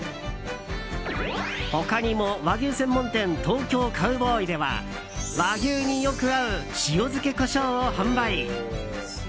他にも、和牛専門店ＴＯＫＹＯＣＯＷＢＯＹでは和牛によく合う塩漬けコショウを販売。